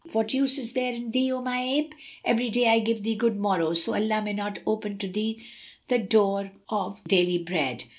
"What use is there in thee, O my ape?" "Every day I give thee good morrow, so Allah may not open to thee the door of daily bread."